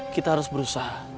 kita harus berusaha